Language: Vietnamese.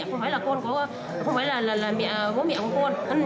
không phải là bố mẹ của con